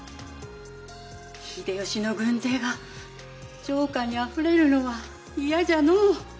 秀吉の軍勢が城下にあふれるのは嫌じゃのう。